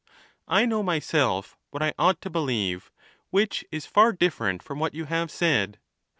I know myself what I ought to believe ; which is far different from what you have said.